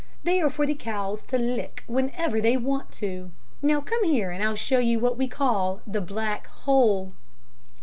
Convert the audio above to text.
They are for the cows to lick whenever they want to. Now, come here, and I'll show you what we call 'The Black Hole.'"